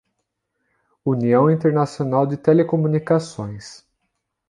União Internacional de Telecomunicações